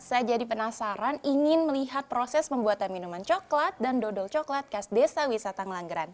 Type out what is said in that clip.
saya jadi penasaran ingin melihat proses pembuatan minuman coklat dan dodol coklat khas desa wisata ngelanggeran